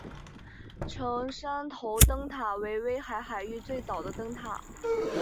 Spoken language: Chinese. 成山头灯塔为威海海域最早的灯塔。